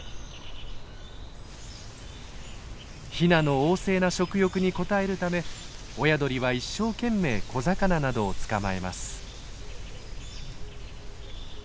ヒナの旺盛な食欲に応えるため親鳥は一生懸命小魚などを捕まえます。